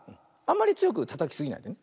あんまりつよくたたきすぎないで。